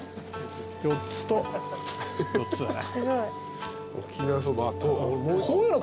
４つと４つだね。